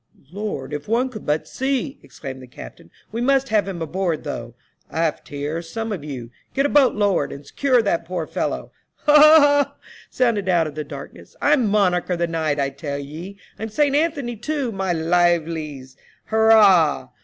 "Lord, if one could but see!" exclaimed the captain; " we must have him aboard, though. Aft here, some of you; get a boat lowered, and secure that poor fellow." " Ha ! ha ! ha !" sounded out of the darkness. " I'm monarch of the night, I tell ye. I'm Saint Anthony, too, my livelies. Hurrah